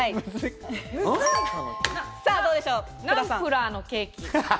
ナンプラーのケーキ。